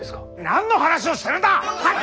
何の話をしてるんだ！